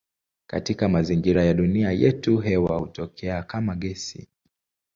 Katika mazingira ya dunia yetu hewa hutokea kama gesi.